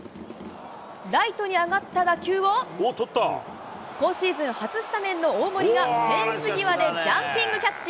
ライトに上がった打球を、今シーズン初スタメンの大盛がフェンス際でジャンピングキャッチ。